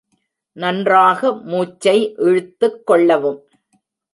நன்றாக மூச்சை இழுத்துக் கொள்ளவும்.